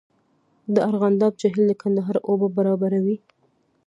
د ارغنداب جهیل د کندهار اوبه برابروي